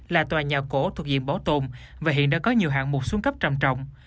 là tòa nhà cổ thuộc diện bảo tồn và hiện đã có nhiều hạng mục xuống cấp trầm trọng